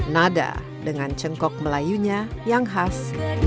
nada dengan cengkok melayunya yang khas